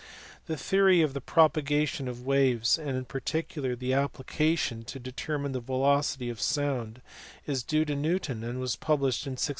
The theory of the propagation of waves, and in particular the application to determine the velocity of sound, is due to Newton and was published in 1687.